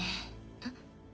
あっ。